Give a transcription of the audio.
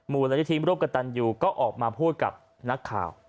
มูลเลยที่ทิ้งร่วมกับตันอยู่ก็ออกมาพูดกับนักข่าว